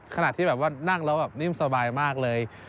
ขนาดที่นั่งแล้วนิ่มสบายมากเลย